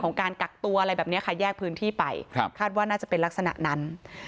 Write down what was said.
การกักตัวอะไรแบบนี้ค่ะแยกพื้นที่ไปคาดว่าน่าจะเป็นลักษณะนั้น